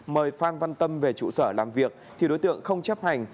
mời phan văn tâm về trụ sở làm việc thì đối tượng không chấp hành